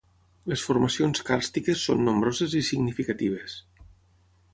Les formacions càrstiques són nombroses i significatives.